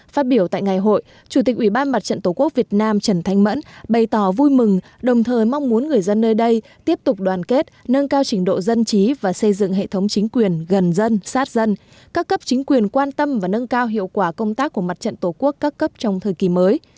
phát biểu tại ngày hội chủ tịch ủy ban mặt trận tổ quốc việt nam trần thanh mẫn bày tỏ vui mừng đồng thời mong muốn người dân nơi đây tiếp tục đoàn kết nâng cao trình độ dân trí và xây dựng hệ thống chính quyền gần dân sát dân các cấp chính quyền quan tâm và nâng cao hiệu quả công tác của mặt trận tổ quốc các cấp trong thời kỳ mới